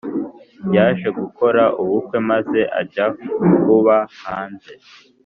Yaje gukora ubukwe maze ajya kuba hanze